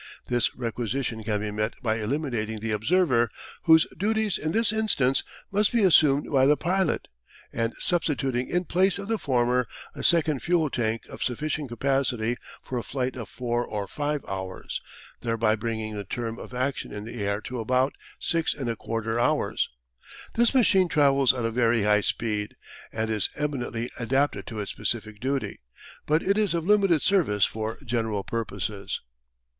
This requisition can be met by eliminating the observer, whose duties in this instance must be assumed by the pilot, and substituting in place of the former, a second fuel tank of sufficient capacity for a flight of four or five hours, thereby bringing the term of action in the air to about 6 1/4 hours. This machine travels at a very high speed and is eminently adapted to its specific duty, but it is of limited service for general purposes.